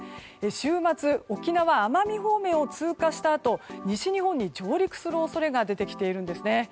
週末沖縄、奄美方面を通過したあと西日本に上陸する恐れが出てきているんですね。